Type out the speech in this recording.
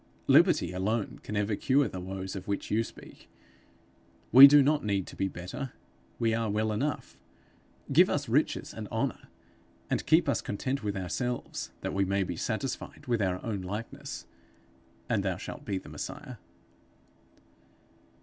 Liberty alone can ever cure the woes of which you speak. We do not need to be better; we are well enough. Give us riches and honour, and keep us content with ourselves, that we may be satisfied with our own likeness, and thou shalt be the Messiah.'